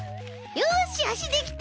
よしあしできた！